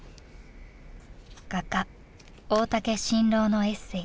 画家大竹伸朗のエッセイ